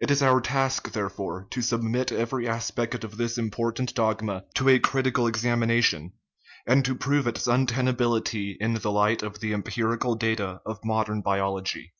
It is our task, there fore, to submit every aspect of this important dogma to a critical examination, and to prove its untenability in the light of the empirical data of modern biology.